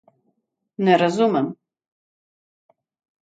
Ne razumem.